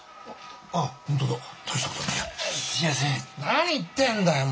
何言ってんだよ！